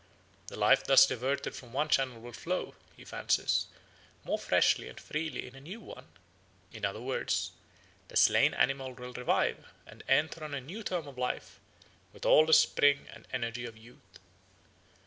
The life thus diverted from one channel will flow, he fancies, more freshly and freely in a new one; in other words, the slain animal will revive and enter on a new term of life with all the spring and energy of youth.